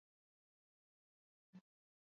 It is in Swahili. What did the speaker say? uchunguzi wa shirika hilo ulifanyika wiki iliyopita